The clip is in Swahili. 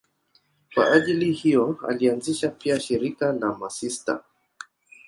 Kwa ajili hiyo alianzisha pia shirika la masista.